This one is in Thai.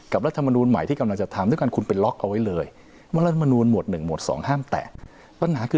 กับรัฐมนุนใหม่ที่กำลังจะทำ